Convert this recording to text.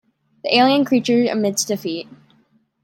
The alien creature admits defeat.